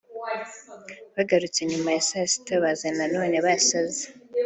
Bagarutse nyuma ya saa sita baza noneho basaze